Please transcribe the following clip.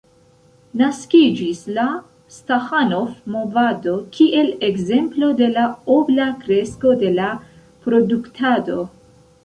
Naskiĝis la Staĥanov-movado kiel ekzemplo de la obla kresko de la produktado.